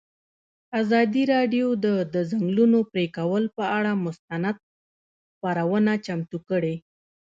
ازادي راډیو د د ځنګلونو پرېکول پر اړه مستند خپرونه چمتو کړې.